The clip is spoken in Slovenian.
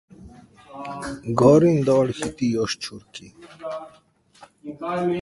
Gor in dol hitijo ščurki.